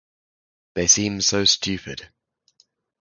They seem so stupid.